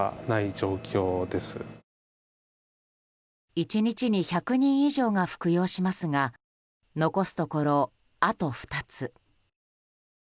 １日に１００人以上が服用しますが残すところ、あと２つ。